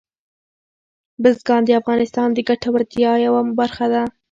بزګان د افغانانو د ګټورتیا یوه برخه ده.